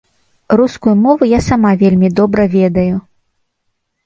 Рускую мову я сама вельмі добра ведаю.